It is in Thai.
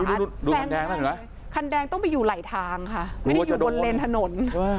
ไม่ได้อยู่ไหลทางค่ะไม่ได้อยู่บนเลนส์ถนน